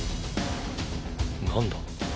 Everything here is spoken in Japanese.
何だ？